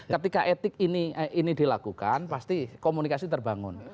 ketika etik ini dilakukan pasti komunikasi terbangun